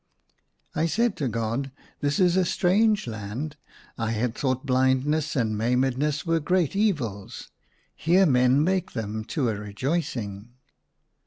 I said to God, " This is a strange land. I had thought blindness and maimedness were great evils. Here men make them to a rejoicing."